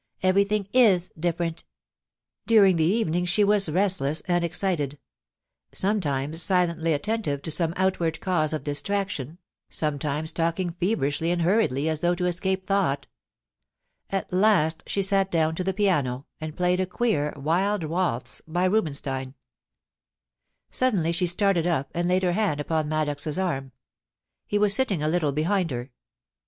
Everything is different' During the evening she was restless and excited ; some times silently attentive to some outward cause of distraction, sometimes talking feverishly and hurriedly as though to escape thought At last she sat dowTi to the piano, and played a queer, wild waltz by Rubensteia Suddenly she started up, and laid her hand upon Maddox's arm. He was sitting a little behind her.